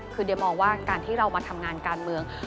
คือเดี๋ยวมองว่าการที่เรามาทำงานการเมือง